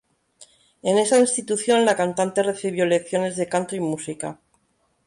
En esa institución la cantante recibió lecciones de canto y música.